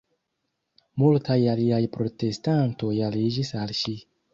Multaj aliaj protestantoj aliĝis al ŝi.